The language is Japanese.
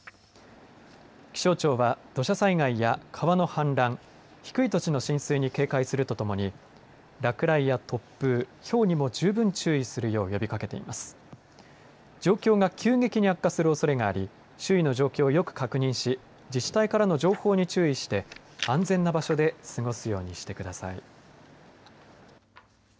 気象庁は、土砂災害や川の氾濫、低い土地の浸水に警戒するとともに落雷や突風ひょうにも十分注意するよう呼びかけています状況が急激に悪化するおそれがあり周囲の状況をよく確認し自治体からの情報に注意して安全な場所で過ごすようにしてください。